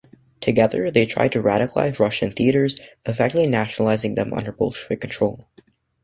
Together, they tried to radicalize Russian theatres, effectively nationalizing them under Bolshevik control.